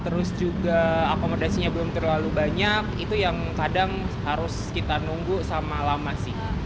terus juga akomodasinya belum terlalu banyak itu yang kadang harus kita nunggu sama lama sih